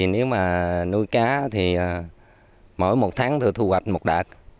nếu mà nuôi cá thì mỗi một tháng tôi thu hoạch một đợt